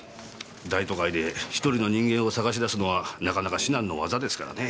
大都会で１人の人間を捜し出すのはなかなか至難の業ですからね。